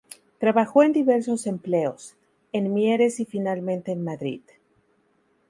Trabajó en diversos empleos, en Mieres y finalmente en Madrid.